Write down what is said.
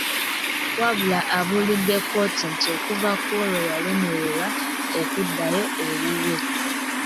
Wabula abuulidde kkooti nti okuva ku olwo yalemererwa okuddayo ewuwe.